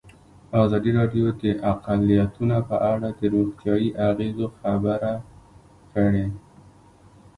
ازادي راډیو د اقلیتونه په اړه د روغتیایي اغېزو خبره کړې.